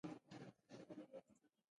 د پوځي او غیر پوځي حکومتونو لړۍ پیل شوه.